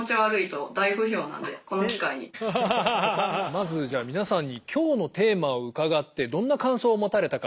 まず皆さんに今日のテーマを伺ってどんな感想を持たれたか？